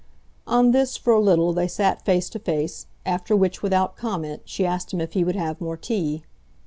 On this, for a little, they sat face to face; after which, without comment, she asked him if he would have more tea.